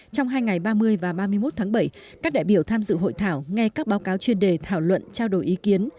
trong hai ngày ba mươi và ba mươi một tháng bảy các đại biểu tham dự hội thảo nghe các báo cáo chuyên đề thảo luận trao đổi ý kiến